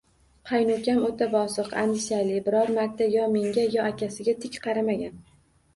Qaynukam o`ta bosiq, andishali, biror marta yo menga, yo akasiga tik qaramagan